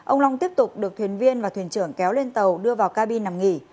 ông long tiếp tục được thuyền viên và thuyền trưởng kéo lên tàu đưa vào cabin nằm nghỉ